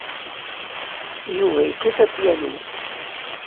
Yuba yekkat apyanu.